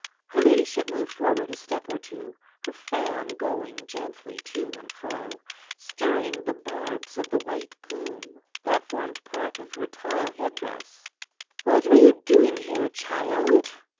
Her ladyship moved forward a step or two, her fan going gently to and fro, stirring the barbs of the white plume that formed part of her tall head dress. "What were you doing here, child?"